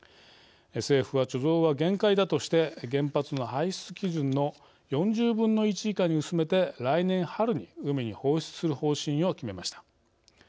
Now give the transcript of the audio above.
政府は貯蔵は限界だとして原発の排出基準の４０分の１以下に薄めて来年春に海に放出する方針を決めました。